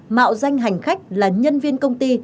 mạo danh hành khách là nhân viên công ty